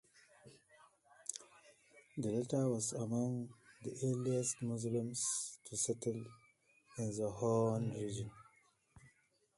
The latter was among the earliest Muslims to settle in the Horn region.